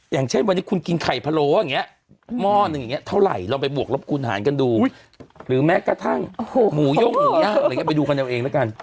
อย่างเช่นวันนี้คุณกินไข่พะโล้มอดเท่าไหร่ลองไปบวกรบกูลหารกันดูหรือแม้กระทั่งหมูโย่งหมูยากไปดูกันเองแล้วกัน